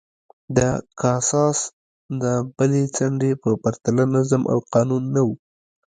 د کاساس د بلې څنډې په پرتله نظم او قانون نه و